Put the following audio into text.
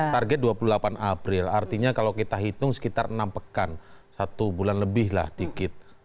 target dua puluh delapan april artinya kalau kita hitung sekitar enam pekan satu bulan lebih lah dikit